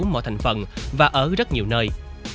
mọi thành phần và ở rất nhiều nơi